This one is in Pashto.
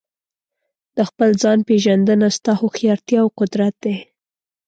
د خپل ځان پېژندنه ستا هوښیارتیا او قدرت دی.